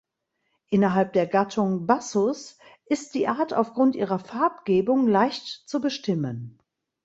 Innerhalb der Gattung "Bassus" ist die Art aufgrund ihrer Farbgebung leicht zu bestimmen.